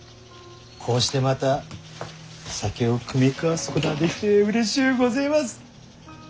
こうしてまた酒を酌み交わすことができてうれしゅうごぜます。